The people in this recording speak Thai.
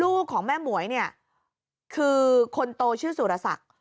ลูกของแม่หมวยเนี่ยคือคนโตชื่อสุรศักดิ์